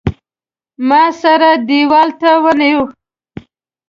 ما سره دېوال ته ونیو.